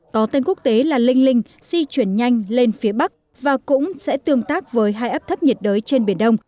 có tên quốc tế là linh linh di chuyển nhanh lên phía bắc và cũng sẽ tương tác với hai áp thấp nhiệt đới trên biển đông